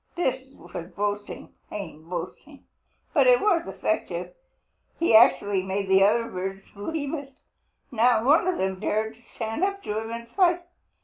This was boasting, plain boasting, but it was effective. He actually made the other birds believe it. Not one of them dared stand up to him and fight.